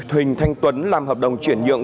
huỳnh thanh tuấn làm hợp đồng chuyển nhượng